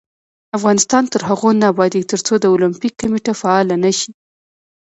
افغانستان تر هغو نه ابادیږي، ترڅو د اولمپیک کمیټه فعاله نشي.